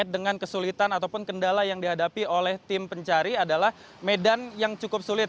dengan kesulitan ataupun kendala yang dihadapi oleh tim pencari adalah medan yang cukup sulit